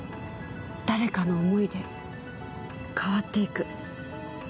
誰かの思いで変わっていく。